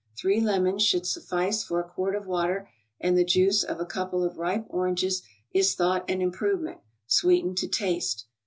Three lemons should suffice for a quart of water, and the juice of a couple of ripe oranges is thought an improvement; sweeten to taste.